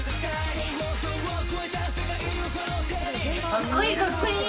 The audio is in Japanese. かっこいい、かっこいい。